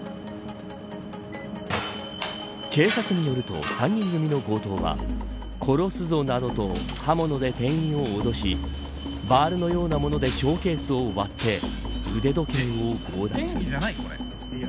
警察によると３人組の強盗は殺すぞなどと刃物で店員を脅しバールのようなものでショーケースを割って腕時計を強奪。